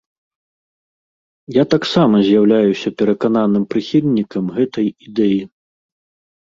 Я таксама з'яўляюся перакананым прыхільнікам гэтай ідэі.